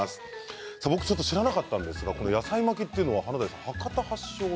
僕ちょっと知らなかったんですが野菜巻きというのは華大さん